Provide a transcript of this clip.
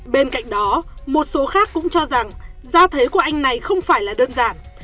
bên cạnh đó một số khác cũng cho rằng gia thế của anh này không phải là đơn giản